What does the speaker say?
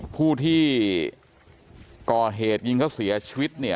ผู้ที่ก่อเหตุยิงเขาเสียชีวิตเนี่ย